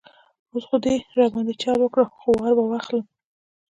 اوس خو ده را باندې چل وکړ، خو وار به اخلم.